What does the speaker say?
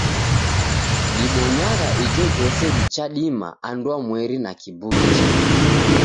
Dibonyagha ijojose dichadima anduamweri na kibughi chedu.